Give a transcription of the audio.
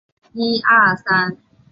它是沙拉越西南部居民的水源。